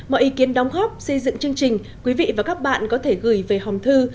mọi ý kiến đóng góp xây dựng chương trình quý vị và các bạn có thể gửi về hòm thư